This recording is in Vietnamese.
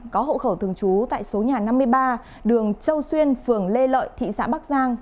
có hộ khẩu thường trú tại số nhà năm mươi ba đường châu xuyên phường lê lợi thị xã bắc giang